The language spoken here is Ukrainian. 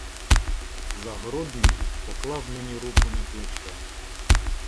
Загородній поклав мені руку на плече.